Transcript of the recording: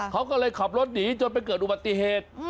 เขาก็เลยขับรถหนีจนไปเกิดอุบัติเหตุ